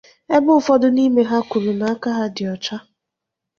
ebe ụfọdụ n'ime ha kwùrù na aka ha dị ọcha.